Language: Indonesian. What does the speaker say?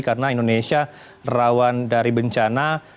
karena indonesia rawan dari bencana